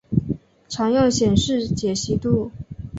常用显示解析度